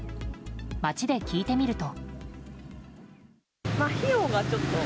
街で聞いてみると。